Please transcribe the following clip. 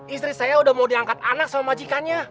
istri saya udah mau diangkat anak sama majikannya